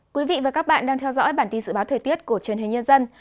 quý vị và các bạn đang theo dõi bản tin dự báo thời tiết của truyền hình nhân dân